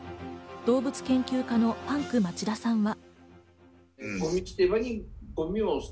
動物研究家のパンク町田さんは。